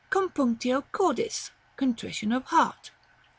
Compunctio cordis. Contrition of heart.